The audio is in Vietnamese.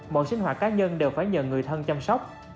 mọi sinh hoạt cá nhân đều phải nhờ người thân chăm sóc